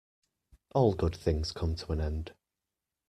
All good things come to an end.